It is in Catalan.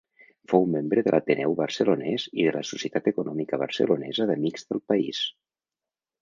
Fou membre de l'Ateneu Barcelonès i de la Societat Econòmica Barcelonesa d'Amics del País.